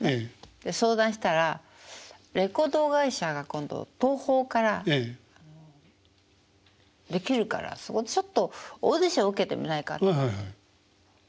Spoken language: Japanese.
で相談したらレコード会社が今度東宝から出来るからそこでちょっとオーディション受けてみないかって言われて。